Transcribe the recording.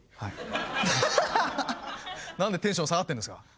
何でテンション下がってるんですか？